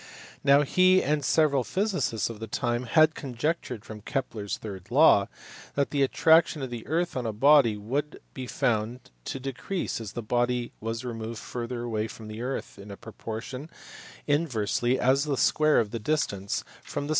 Now he and several physicists of the time had conjectured from Kepler s third law that the attraction of the earth on a body would be found to decrease as the body was removed further away from the earth in a proportion inversely as the square of the distance from the \ S VIEWS ON GRAVITY, 16G6.